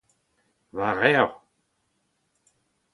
Ma revr !